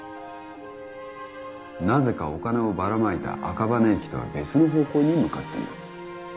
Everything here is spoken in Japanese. なぜかお金をばらまいた赤羽駅とは別の方向に向かっている。